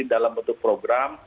dalam bentuk program